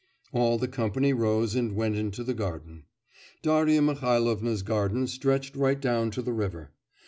All the company rose and went into the garden. Darya Mihailovna's garden stretched right down to the river.